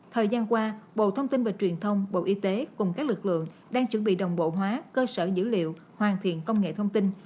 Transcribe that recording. thời gian qua bộ thông tin và truyền thông bộ y tế cùng các lực lượng đang chuẩn bị đồng bộ hóa cơ sở dữ liệu hoàn thiện công nghệ thông tin